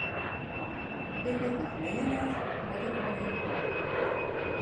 Ik wit noch nea net wat ik oan him haw.